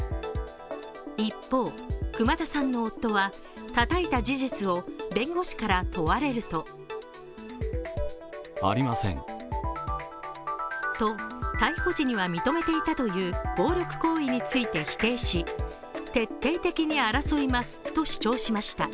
一方、熊田さんの夫は、たたいた事実を弁護士から問われるとと、逮捕時には認めていたという暴力行為について否定し徹底的に争いますと主張しました。